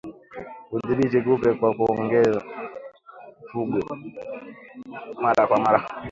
Kudhibiti kupe kwa kuogesha mifugo mara kwa mara